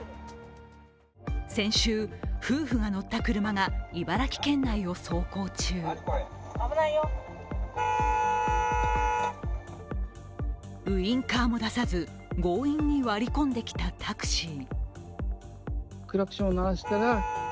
先週、夫婦が乗った車が茨城県を走行中ウインカーも出さず、強引に割り込んできたタクシー。